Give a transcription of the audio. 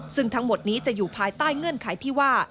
ซึ่งทั้งหมดนี้จะอยู่ภายใต้เงื่อนไขที่ว่า